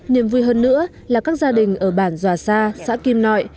niềm vui hơn nữa là các gia đình ở bản doà sa xã kim nội